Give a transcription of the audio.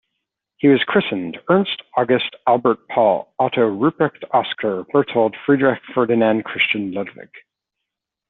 He was christened, "Ernst August Albert Paul Otto Rupprecht Oskar Berthold Friedrich-Ferdinand Christian-Ludwig".